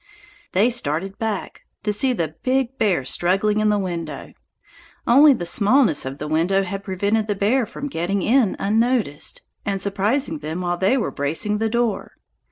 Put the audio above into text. They started back, to see the big bear struggling in the window. Only the smallness of the window had prevented the bear from getting in unnoticed, and surprising them while they were bracing the door.